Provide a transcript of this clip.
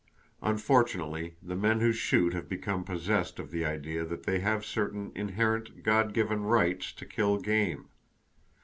Unfortunately, the men who shoot have become possessed of the idea that they have certain inherent, God given "rights" to kill game!